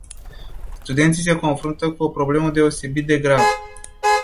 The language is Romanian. Studenții se confruntă cu o problemă deosebit de gravă.